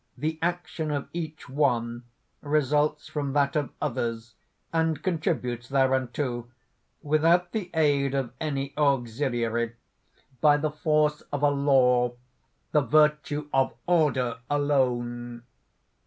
The action of each one results from that of others, and contributes thereunto, without the aid of any auxiliary, by the force of a law, the virtue of order alone!"